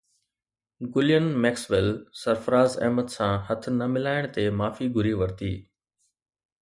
گلين Maxwell Sarfaraz Ahmed سان هٿ نه ملائڻ تي معافي گهري ورتي